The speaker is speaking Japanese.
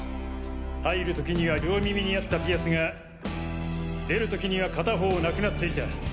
入る時には両耳にあったピアスが出る時には片方なくなっていた。